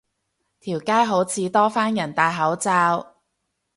條街好似多返人戴口罩